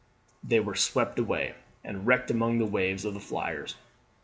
They were swept away, and wrecked among the waves of the flyers.